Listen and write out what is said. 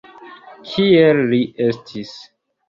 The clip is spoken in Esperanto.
Kiel li estis?